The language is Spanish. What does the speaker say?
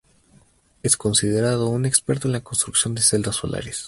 Es considerado un experto en la construcción de celdas solares.